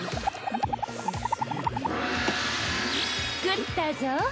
食ったぞ。